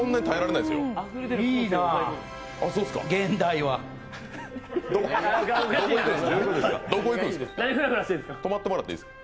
いいなぁ、現代はどこ行くんですか。